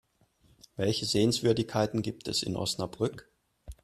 Welche Sehenswürdigkeiten gibt es in Osnabrück?